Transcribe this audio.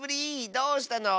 どうしたの？